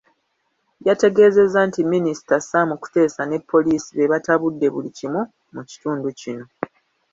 Yategeezezza nti Minisita Sam Kuteesa ne poliisi be batabudde buli kimu mu kitundu kino.